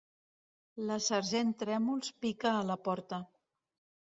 La sergent Trèmols pica a la porta.